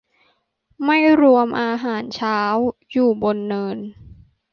ไม่รวมอาหารเช้า อยู่บนเนิน